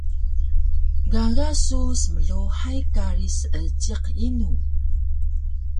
Gaga su smluhay kari Seejiq inu?